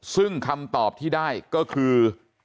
ซึ่งคำตอบที่ได้ก็คือ